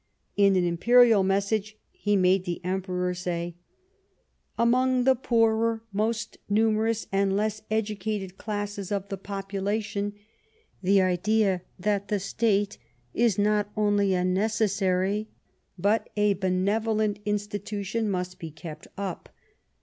In an Imperial message he made the Emperor say :" Among the poorer, most numerous, and less educated classes of the population the idea that the State is not only a necessary but a benevolent institution must be kept up.